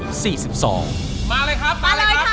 มาเลยครับมาเลยครับกับทางไหนอะ